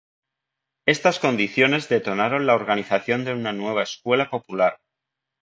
Estas condiciones detonaron la organización de una nueva escuela popular.